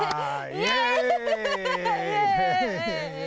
イエイ！